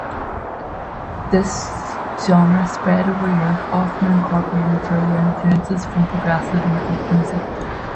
This genre spread over Europe, often incorporating further influences from progressive and folk music.